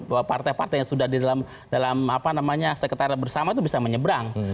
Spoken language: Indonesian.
bahwa partai partai yang sudah di dalam sekretariat bersama itu bisa menyebrang